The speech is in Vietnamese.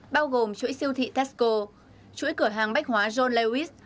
bao gồm chuỗi siêu thị tesco chuỗi cửa hàng bách hóa john lewis